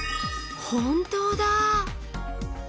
本当だぁ！